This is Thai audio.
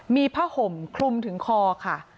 มีผ้าห่มคลุมถึงคอค่ะ